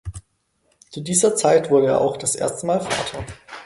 Zu dieser Zeit wurde er auch das erste Mal Vater.